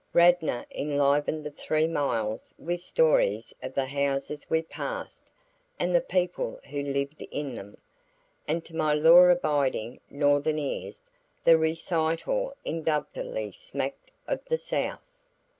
Radnor enlivened the three miles with stories of the houses we passed and the people who lived in them, and to my law abiding Northern ears, the recital indubitably smacked of the South.